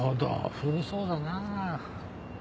古そうだな。